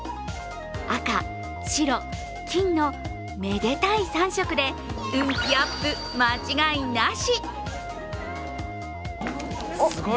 紅・白・金のめでたい３色で運気アップ間違いなし。